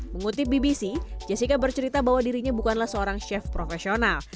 mengutip bbc jessica bercerita bahwa dirinya bukanlah seorang chef profesional